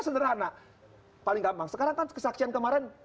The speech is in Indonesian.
sederhana paling gampang sekarang kan kesaksian kemarin